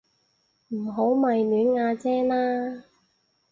唔好迷戀阿姐啦